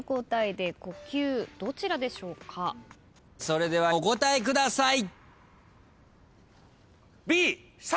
それではお答えください。